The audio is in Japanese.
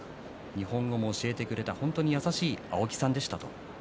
日本語も教えてくれた本当に優しい青木さんでした。